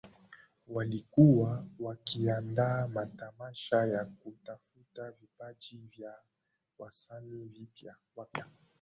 Walikuwa wakiandaa matamasha ya kutafuta vipaji vya wasanii wapya